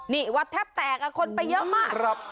นี่วัดแทบแตกคนไปเยอะมาก